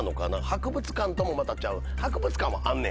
博物館ともまたちゃう。